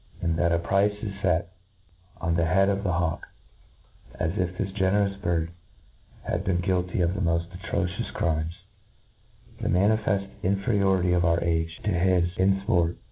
■■■gfld tiiat a price is fet on the head of the hawk, as tf this getierous bird iiad been guiL^ ty «of die mofi: atrocious crimes* The manifc# inferiority of • our age to his in %ort.